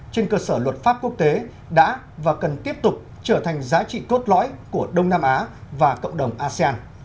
trên cơ sở luật pháp quốc tế đã và cần tiếp tục trở thành giá trị cốt lõi của đông nam á và cộng đồng asean